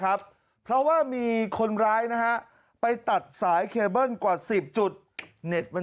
เขาว่ามีคนร้ายนะฮะไปตัดสายแคเบิลกว่าสิบจุด